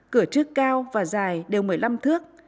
cửa trước cao và dài đều một mươi năm thước